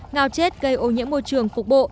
ngao chết gây ô nhiễm môi trường phục bộ